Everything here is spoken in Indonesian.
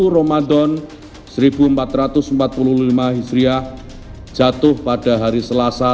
satu ramadan seribu empat ratus empat puluh lima hijriah jatuh pada hari selasa